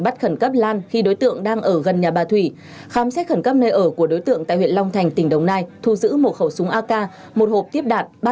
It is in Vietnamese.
thu giữ một khẩu súng ak một hộp tiếp đạn